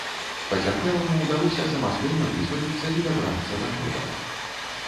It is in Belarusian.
Пацярпеламу ўдалося самастойна вызваліцца і дабрацца да горада.